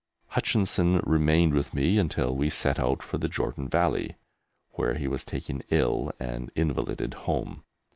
Hutchinson remained with me until we set out for the Jordan Valley, when he was taken ill and invalided home.